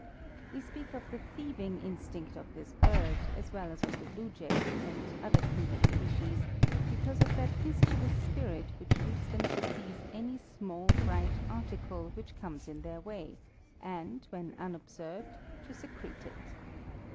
We speak of the "thieving" instinct of this bird, as well as of the blue jay, and other kindred species, because of that mischievous spirit which leads them to seize any small bright article which comes in their way, and, when unobserved, to secrete it.